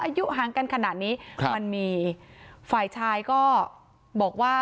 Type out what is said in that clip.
อายุห่างกันขนาดนี้ครับมันมีฝ่ายชายก็บอกว่า